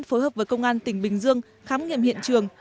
phối hợp với công an tỉnh bình dương khám nghiệm hiện trường